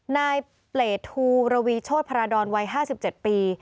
นายเปรตธูรวีโชธพารดอนวัยห้าสิบเจ็ดปี